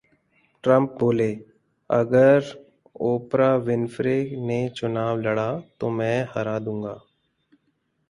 Trump बोले- अगर Oprah Winfrey ने चुनाव लड़ा, तो मैं हरा दूंगा